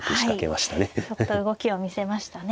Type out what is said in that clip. ちょっと動きを見せましたね。